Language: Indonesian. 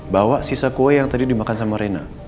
bawa sisa kue yang tadi dimakan sama rena